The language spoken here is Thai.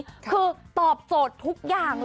คุณฟังเสียงแล้วรู้สึกเป็นยังไง